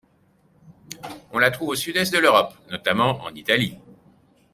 On la trouve au Sud-Est de l'Europe, notamment en Italie.